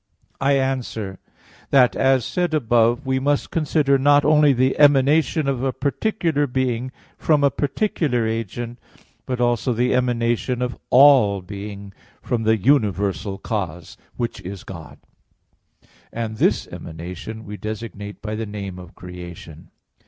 I answer that, As said above (Q. 44, A. 2), we must consider not only the emanation of a particular being from a particular agent, but also the emanation of all being from the universal cause, which is God; and this emanation we designate by the name of creation.